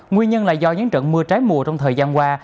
nguyên nhân là do những trận mưa trái mùa trong thời gian qua